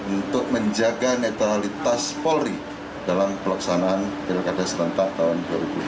untuk menjaga netralitas polri dalam pelaksanaan pilkada serentak tahun dua ribu dua puluh